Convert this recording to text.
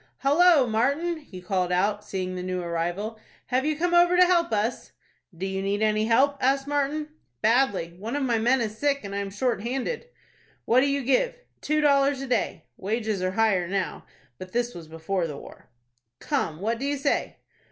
"Hallo, Martin!" he called out, seeing the new arrival; "have you come over to help us?" "Do you need any help?" asked Martin. "Badly. One of my men is sick, and I am shorthanded." "What do you give?" "Two dollars a day." Wages are higher now, but this was before the war. "Come, what do you say?"